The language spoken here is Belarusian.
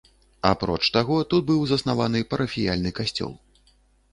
Апроч таго, тут быў заснаваны парафіяльны касцёл.